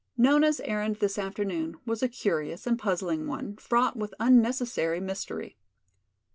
Nona's errand this afternoon was a curious and puzzling one, fraught with unnecessary mystery.